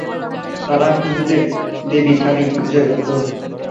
তারা হিন্দুদের দেবী কালীর পূজা করত।